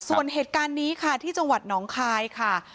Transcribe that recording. ส่วนเหตุการณ์นี้ค่ะที่จังหวัดหนองคายค่ะ